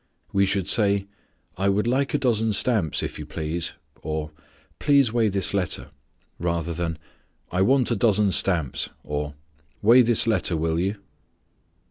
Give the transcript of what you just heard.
We should say, "I would like a dozen stamps, if you please," or, "Please weigh this letter," rather than, "I want a dozen stamps," or, "Weigh this letter, will you?"